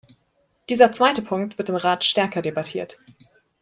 Dieser zweite Punkt wird im Rat stärker debattiert.